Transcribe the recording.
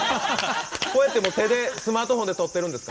こうやってもう手でスマートフォンでとってるんですか？